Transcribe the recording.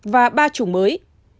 và ba chủng mới